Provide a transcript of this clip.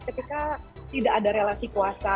ketika tidak ada relasi kuasa